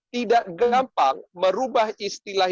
tidak gampang merubah istilah